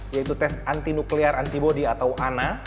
yaitu tes anti nuklear antibody atau ana